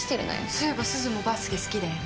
そういえばすずもバスケ好きだよね？